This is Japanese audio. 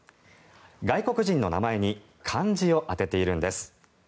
外国人の名前に漢字を当てているんです。